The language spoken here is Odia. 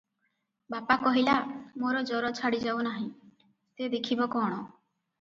ବାପା କହିଲା, "ମୋର ଜର ଛାଡ଼ିଯାଉ ନାହିଁ, ସେ ଦେଖିବ କଣ?